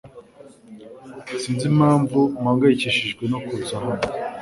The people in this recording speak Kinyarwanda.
Sinzi impamvu mpangayikishijwe no kuza hano.